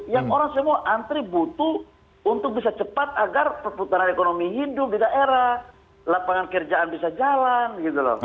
yang orang semua antri butuh untuk bisa cepat agar perputaran ekonomi hindu di daerah lapangan kerjaan bisa jalan gitu loh